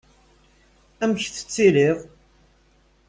Amek tettiliḍ?